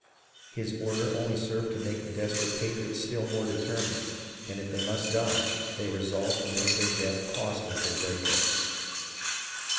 His order only served to make the desperate patriots still more determined, and if they must die they resolved to make their death costly to the redcoats.